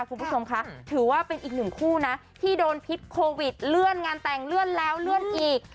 คุณผู้ชมคะถือว่าเป็นอีกหนึ่งคู่นะที่โดนพิษโควิดเลื่อนงานแต่งเลื่อนแล้วเลื่อนอีก